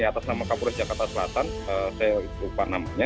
atas nama kapolres jakarta selatan saya lupa namanya